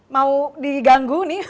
mau diganggu nih